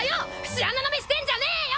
節穴な目してんじゃねえよ！